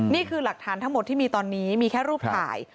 นี่คือหลักฐานทั้งหมดที่มีตอนนี้มีแค่รูปถ่าย